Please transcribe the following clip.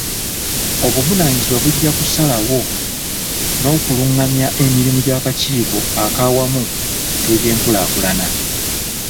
Obuvunaanyizibwa bujja kusalawo n'okulungamya emirimu gy'akakiiko ak'awamu ak'ebyenkulaakulana.